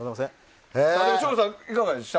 省吾さん、いかがでした？